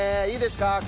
いいですか？